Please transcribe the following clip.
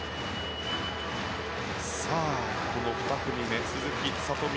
この２組目、鈴木聡美